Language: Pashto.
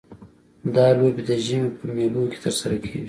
دا لوبې د ژمي په میلوں کې ترسره کیږي